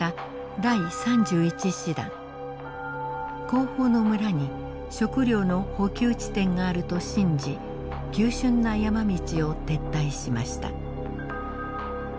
後方の村に食糧の補給地点があると信じ急しゅんな山道を撤退しました。